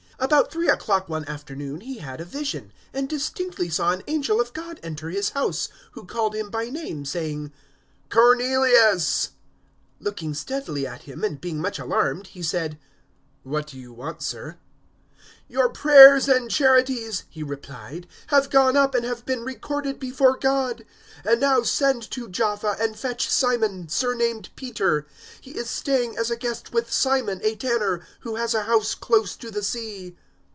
010:003 About three o'clock one afternoon he had a vision, and distinctly saw an angel of God enter his house, who called him by name, saying, "Cornelius!" 010:004 Looking steadily at him, and being much alarmed, he said, "What do you want, Sir?" "Your prayers and charities," he replied, "have gone up and have been recorded before God. 010:005 And now send to Jaffa and fetch Simon, surnamed Peter. 010:006 He is staying as a guest with Simon, a tanner, who has a house close to the sea."